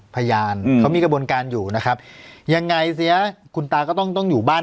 พยานเขามีกระบวนการอยู่นะครับยังไงเสียคุณตาก็ต้องต้องอยู่บ้าน